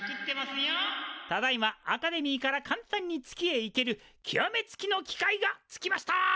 ただいまアカデミーから簡単に月へ行けるきわめつきの機械がツキました！